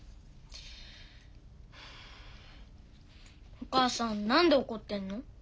お母さん何で怒ってんの？